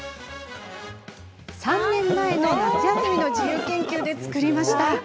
３年前夏休みの自由研究で作りました。